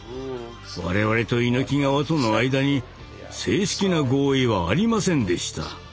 我々と猪木側との間に正式な合意はありませんでした。